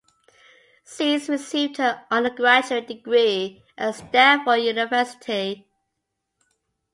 Zeiss received her undergraduate degree at Stanford University.